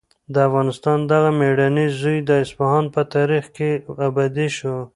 د افغانستان دغه مېړنی زوی د اصفهان په تاریخ کې ابدي شو.